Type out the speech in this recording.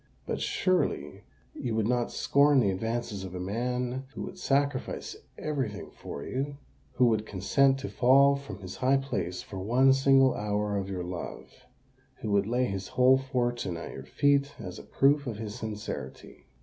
"But surely you would not scorn the advances of a man who would sacrifice every thing for you—who would consent to fall from his high place for one single hour of your love—who would lay his whole fortune at your feet as a proof of his sincerity."